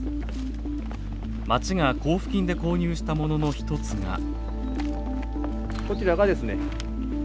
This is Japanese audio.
町が交付金で購入したものの一つが。